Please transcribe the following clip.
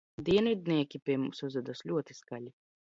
Dienvidnieki pie mums uzvedas ļoti skaļi.